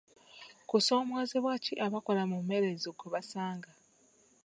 Kusoomoozebwa ki abakola mu mmerezo kwe basanga?